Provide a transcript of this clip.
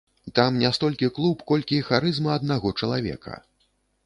Там не столькі клуб, колькі харызма аднаго чалавека.